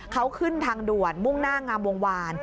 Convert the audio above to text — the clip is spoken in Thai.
เขาขึ้นทางด่วนมุ่งหน้างามวงวาน